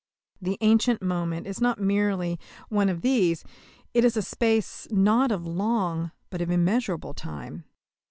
The ancient moment is not merely one of these it is a space not of long, but of immeasurable, time.